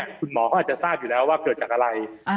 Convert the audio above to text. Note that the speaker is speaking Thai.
คุณหมอก็อาจจะทราบอยู่แล้วว่าเกิดจากอะไร